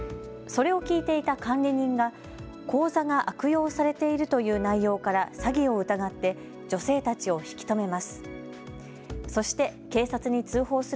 それを聞いていた管理人が口座が悪用されているという内容から詐欺を疑って女性たちを引き止めます。